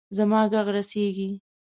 زما ږغ رسیږي.